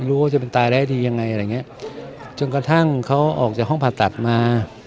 ว่าจะเป็นตายได้ดียังไงอะไรอย่างเงี้ยจนกระทั่งเขาออกจากห้องผ่าตัดมา